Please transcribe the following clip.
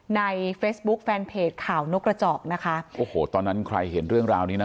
ในเฟซบุ๊คแฟนเพจข่าวนกกระจอกนะคะโอ้โหตอนนั้นใครเห็นเรื่องราวนี้นะ